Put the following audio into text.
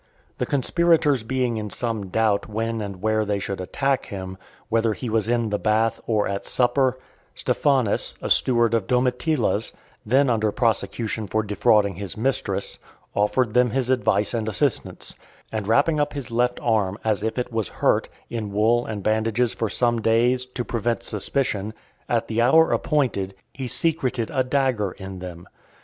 The conspirators being in some doubt when and where they should attack him, whether while he was in the bath, or at supper, Stephanus, a steward of Domitilla's , then under prosecution for defrauding his mistress, offered them his advice and assistance; and wrapping up his left arm, as if it was hurt, in wool and bandages for some days, to prevent suspicion, at the hour appointed, he secreted a dagger in them.